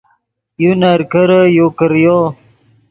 یو نرکرے یو کریو